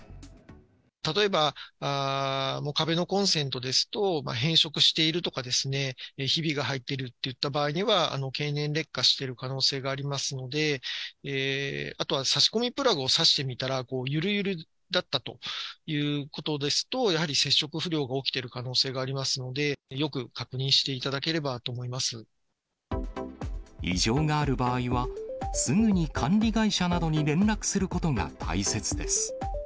例えば壁のコンセントですと、変色しているとか、ひびが入っているっていった場合には、経年劣化している可能性がありますので、あとは差し込みプラグを差してみたら、ゆるゆるだったということですと、やはり接触不良が起きてる可能性がありますので、よく確認してい異常がある場合は、すぐに管理会社などに連絡することが大切です。